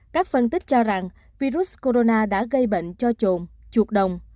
các phân tích cho rằng virus corona đã gây bệnh cho trộn chuột đồng